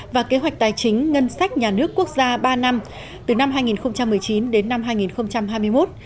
và kế hoạch tài chính ngân sách nhà nước quốc gia ba năm từ năm hai nghìn một mươi chín đến năm hai nghìn hai mươi một